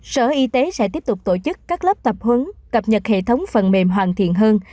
sở y tế sẽ tiếp tục tổ chức các lớp tập huấn cập nhật hệ thống phần mềm hoàn thiện hơn